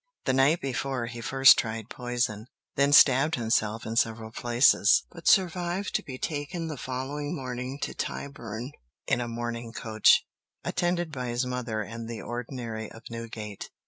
The night before he first tried poison, then stabbed himself in several places, but survived to be taken the following morning to Tyburn in a mourning coach, attended by his mother and the ordinary of Newgate.